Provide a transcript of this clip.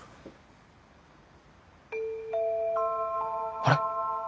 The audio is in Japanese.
あれ！？